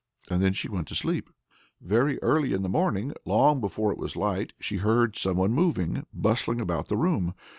And then she went to sleep. Well, very early in the morning, long before it was light, she heard some one moving, bustling about the room.